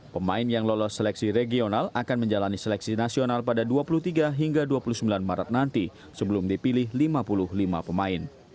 pemain yang lolos seleksi regional akan menjalani seleksi nasional pada dua puluh tiga hingga dua puluh sembilan maret nanti sebelum dipilih lima puluh lima pemain